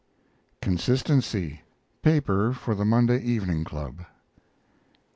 CONSISTENCY paper for The Monday Evening Club. 1888.